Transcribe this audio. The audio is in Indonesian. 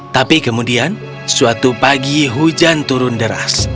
tapi kemudian suatu pagi hujan turun deras